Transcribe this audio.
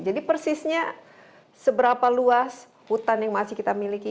jadi persisnya seberapa luas hutan yang masih kita miliki